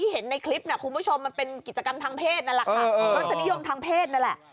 เพศนั่นแหละค่ะมันจะนิยมทั้งเพศนั่นแหละ